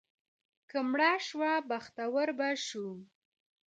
که مړه شو، بختور به شو.